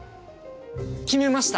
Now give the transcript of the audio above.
決めました。